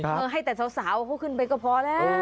ให้แต่สาวเขาขึ้นไปก็พอแล้ว